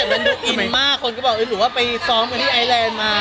มันดูอินมากคนก็บอกหรือว่าไปซ้อมกันที่ไอแลนด์มา